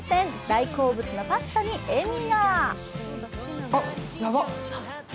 大好物のパスタに笑みが。